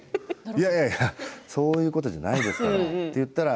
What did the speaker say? いやいや、そういうことじゃないんですって言ったら